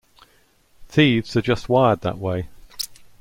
Thieves are just wired that way.